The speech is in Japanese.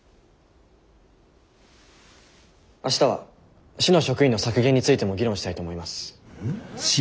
明日は市の職員の削減についても議論したいと思います。